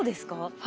はい。